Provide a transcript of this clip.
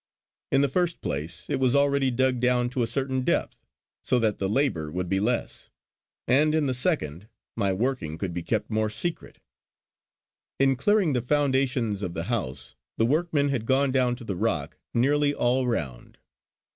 In the first place it was already dug down to a certain depth, so that the labour would be less; and in the second, my working could be kept more secret. In clearing the foundations of the house the workmen had gone down to the rock nearly all round.